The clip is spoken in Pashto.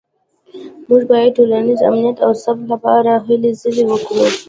موږ باید د ټولنیز امنیت او ثبات لپاره هلې ځلې وکړو